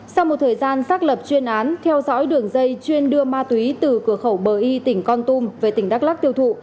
sau một thời gian xác lập chuyên án theo dõi đường dây chuyên đưa ma túy từ cửa khẩu bờ y tỉnh con tum về tỉnh đắk lắc tiêu thụ